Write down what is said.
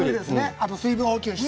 あと、水分補給して。